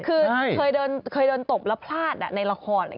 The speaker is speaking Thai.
เคยเดินตบและพลาดในละคร